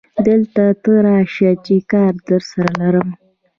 دلته ته راشه چې کار درسره لرم